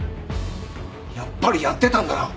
やっぱりやってたんだな。